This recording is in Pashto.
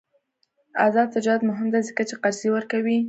آزاد تجارت مهم دی ځکه چې قرضې ورکوي.